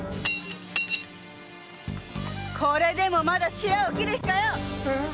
これでもまだシラを切る気かよ